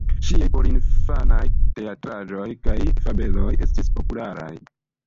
Ŝiaj porinfanaj teatraĵoj kaj fabeloj estis popularaj.